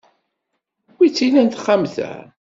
Wi tt-ilan texxamt-a?